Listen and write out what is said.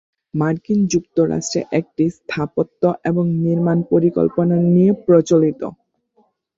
মার্কিন যুক্তরাষ্ট্রে এটি স্থাপত্য এবং নির্মাণ পরিকল্পনা নিয়ে প্রচলিত।